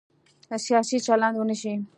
سیاسي چلند ونه شي.